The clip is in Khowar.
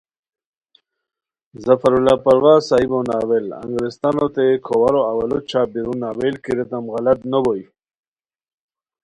ظفراللہ پرواز ؔ صاحبو ناول انگریستانوتے کھوارو اوّلو چھاپ بیرو ناول کی ریتام غلط نو بوئے